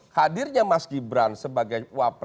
hadirnya mas gibran sebagai